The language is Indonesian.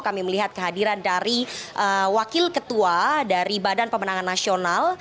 kami melihat kehadiran dari wakil ketua dari badan pemenangan nasional